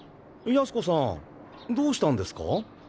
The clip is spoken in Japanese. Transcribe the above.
ヤスコさんどうしたんですか？